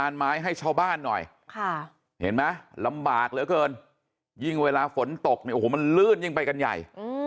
ค่ะเห็นป่ะลำบากเหลือเกินยิ่งเวลาฝนตกเนี่ยมันหลื่นยังไปกันใหญ่